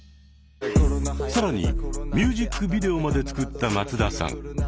更にミュージックビデオまで作った松田さん。